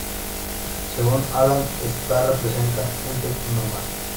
Según Aland este representa un "texto normal".